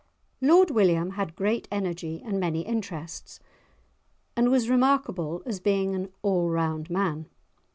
Lord William had great energy and many interests, and was remarkable as being an "all round" man.